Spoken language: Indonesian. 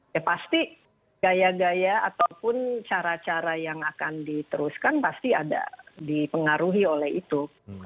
ya pasti gaya gaya ataupun cara cara yang akan diteruskan pasti ada dipengaruhi oleh itu